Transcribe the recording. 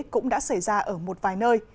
cũng đã xảy ra ở một vài nơi